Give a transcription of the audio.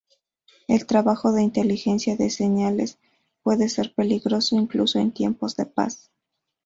El trabajo de inteligencia de señales puede ser peligroso incluso en tiempos de paz.